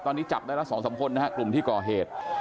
ตอนนี้จับได้ละ๒๓คนนะครับกลุ่มที่ก่อเหตุ